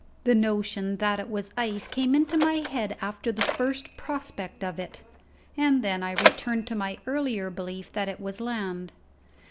The notion that it was ice came into my head after the first prospect of it; and then I returned to my earlier belief that it was land.